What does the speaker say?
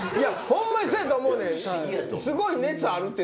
ホンマにそうやと思うねん。